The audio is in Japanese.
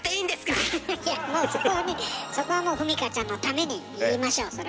フフッいやもうそこはねそこはもうふみかちゃんのために言いましょうそれは。